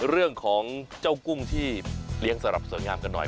เรื่องของเจ้ากุ้งที่เลี้ยงสลับสวยงามกันหน่อย